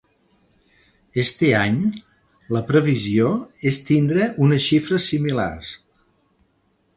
Este any la previsió és tindre unes xifres similars.